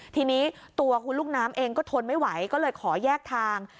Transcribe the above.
ทีนี้ตัวคุณลูกน้ำเองก็ทนไม่ไหวก็เลยขอแยกทาง